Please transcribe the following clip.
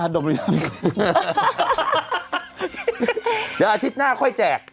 เดี๋ยวอาทิตย์หน้าค่อยแจก